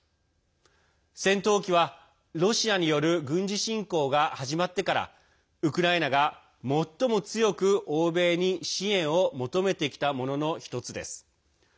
戦闘機は、ロシアによる軍事侵攻が始まってからウクライナが最も強く欧米に支援を求めてきたもののひとつです。